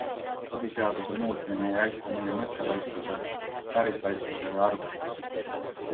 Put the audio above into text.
Põhiseaduse muutmine ei aita meie mõttelaiskuse, pärislaiskuse ja arguse vastu.